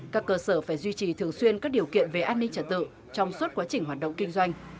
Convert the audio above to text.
các cơ sở phải duy trì thường xuyên các điều kiện về an ninh trật tự trong suốt quá trình hoạt động kinh doanh